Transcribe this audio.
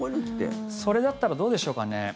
それだったらどうでしょうかね。